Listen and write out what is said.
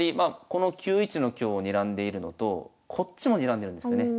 この９一の香をにらんでいるのとこっちもにらんでるんですよね。